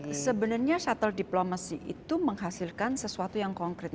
jadi enggak sebenarnya shuttle diplomacy itu menghasilkan sesuatu yang sangat berharga